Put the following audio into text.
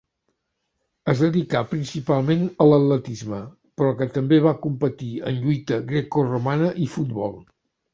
Es dedicà principalment a l'atletisme, però que també va competir en lluita grecoromana i futbol.